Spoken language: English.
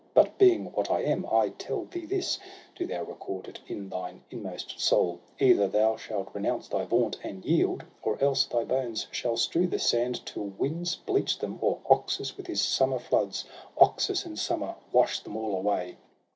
But being what I am, I tell thee this — Do thou record it in thine inmost soul : Either thou shalt renounce thy vaunt, and yield; Or else thy bones shall strew this sand, till winds Bleach them, or Oxus with his summer floods, Oxus in summer wash them all away.'